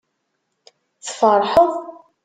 Tferḥeḍ?